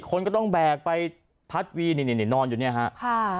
คนก็ต้องแบกไปพัดวีนี่นี่นอนอยู่เนี่ยฮะค่ะ